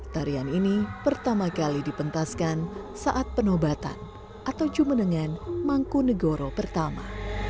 tarian ini pertama kali dipentaskan saat penobatan atau cumenengan mangkunegoro pertama